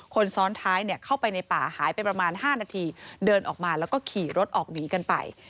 คนซ้อนท้ายเข้าไปในป่าหายไปประมาณ๕นาทีเดินออกมาแล้วก็ขี่รถออกหนีกันไป